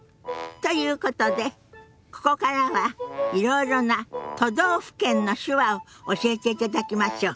ということでここからはいろいろな都道府県の手話を教えていただきましょ。